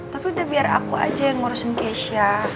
tapi udah biar aku aja yang ngurusin keisha